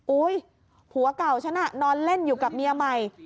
ผัวเก่าฉันน่ะนอนเล่นอยู่กับเมียใหม่